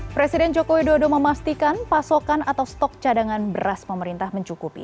presiden joko widodo memastikan pasokan atau stok cadangan beras pemerintah mencukupi